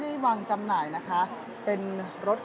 เดี๋ยวจะให้ดูว่าค่ายมิซูบิชิเป็นอะไรนะคะ